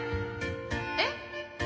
えっ？